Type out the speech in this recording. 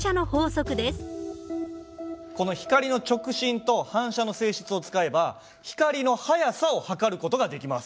この光の直進と反射の性質を使えば光の速さを測る事ができます。